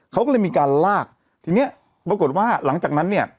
เขาก็เลยมีการลากทีเนี้ยปรากฏว่าหลังจากนั้นเนี่ย